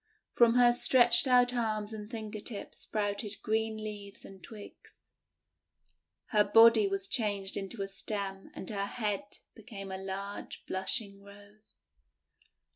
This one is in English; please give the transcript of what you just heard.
From her stretched out arms and finger tips sprouted green leaves and twigs. Her body was changed into a stem and her head became a large blushing Rose.